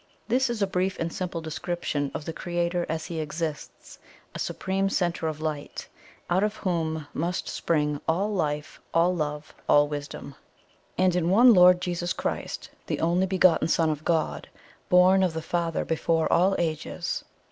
This is a brief and simple description of the Creator as He exists a Supreme Centre of Light, out of whom MUST spring all life, all love, all wisdom. "'And in one Lord Jesus Christ, the only begotten Son of God, born of the Father before all ages.'